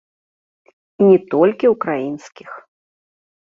І не толькі ўкраінскіх.